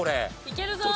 いけるぞ！